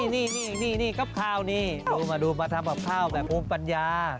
เอาแวะก่อนนี่กับข้าวนี่มาดูมาทำกับข้าวแบบโอมปัญญา